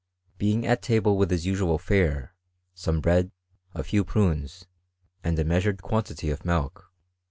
Being at table with his usual fare, some bread, a few prunes, and a measured quantity of milk.